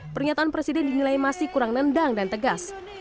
pernyataan presiden dinilai masih kurang nendang dan tegas